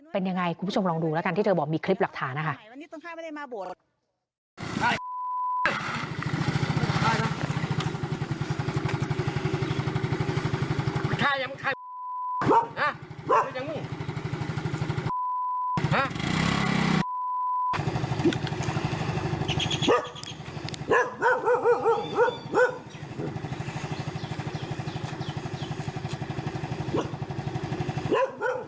เป็นยังไงคุณผู้ชมลองดูแล้วกันที่เธอบอกมีคลิปหลักฐานนะคะ